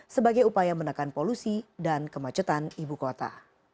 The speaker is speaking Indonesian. sebagai upaya menekan polusi dan kemacetan ibu kota